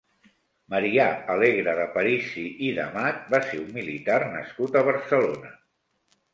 Marià Alegre d'Aparici i d'Amat va ser un militar nascut a Barcelona.